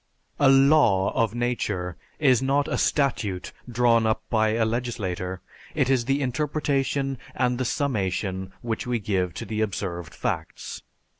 A "law" of nature is not a statute drawn up by a legislator; it is the interpretation and the summation which we give to the observed facts.